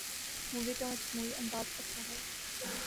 movie کا مجموعی انداز اچھا ہے